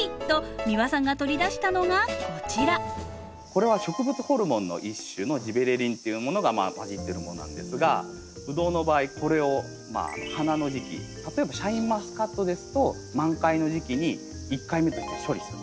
これは植物ホルモンの一種のジベレリンっていうものが混じってるものなんですがブドウの場合これを花の時期例えばシャインマスカットですと満開の時期に１回目として処理する。